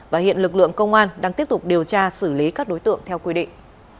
và hiện lực lượng công an đang tiếp tục điều tra xử lý các đối tượng theo quy định